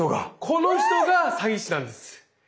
この人が詐欺師なんです。